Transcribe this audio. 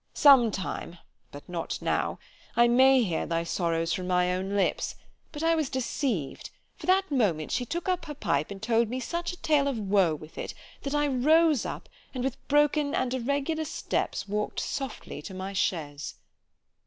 ——some time, but not now, I may hear thy sorrows from thy own lips——but I was deceived; for that moment she took her pipe and told me such a tale of woe with it, that I rose up, and with broken and irregular steps walk'd softly to my chaise.